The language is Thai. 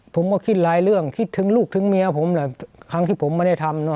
ผมก็คิดหลายเรื่องคิดถึงลูกถึงเมียผมแหละครั้งที่ผมไม่ได้ทำ